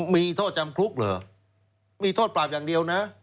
มีโทษจำคุกเหรอมีโทษปราบอย่างเดียวนะ